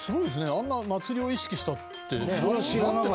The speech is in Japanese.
あんなに祭りを意識したって素晴らしい。